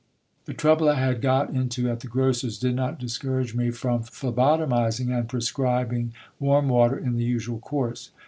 52 GIL BLAS. The trouble I had got into at the grocer's did not discourage me from phle botomizing and prescribing warm water in the usual course.